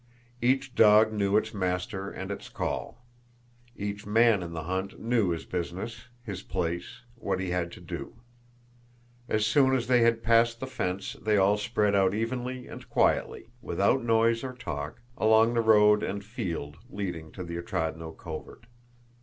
Each dog knew its master and its call. Each man in the hunt knew his business, his place, what he had to do. As soon as they had passed the fence they all spread out evenly and quietly, without noise or talk, along the road and field leading to the Otrádnoe covert.